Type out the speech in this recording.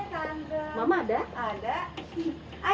kota membahay nol saja